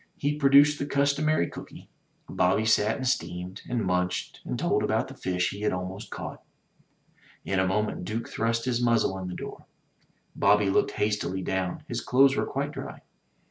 He produced the customary cooky. Bobby sat and steamed, and munched and told about the fish he had al most caught. In a moment Duke thrust his muzzle in the door. Bobby looked hastily down. His clothes were quite dry.